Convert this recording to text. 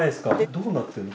どうなってるの？